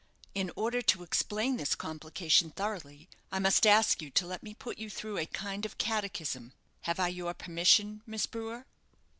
In order to explain this complication thoroughly, I must ask you to let me put you through a kind of catechism. Have I your permission, Miss Brewer?"